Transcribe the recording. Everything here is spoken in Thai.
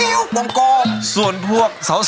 พ่มโผออกมาจากฉาก